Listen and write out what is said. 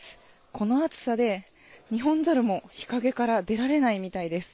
この暑さでニホンザルも日陰から出られないみたいです。